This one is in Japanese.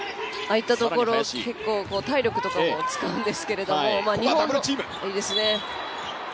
あいたところ、結構体力とかも使うんですけどいいですね。